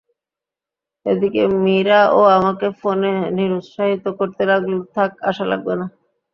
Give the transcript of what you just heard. এদিকে মীরাও আমাকে ফোনে নিরুৎসাহিত করতে লাগল, থাক আসা লাগবে না।